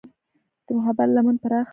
د محبت لمن پراخه کړه.